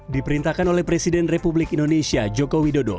diperintahkan oleh presiden republik indonesia joko widodo